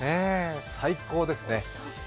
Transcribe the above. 最高ですね。